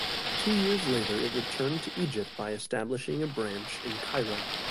Two years later it returned to Egypt by establishing a branch in Cairo.